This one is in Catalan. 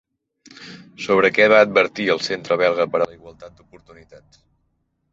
Sobre què va advertir el Centre belga per a la Igualtat d'Oportunitats?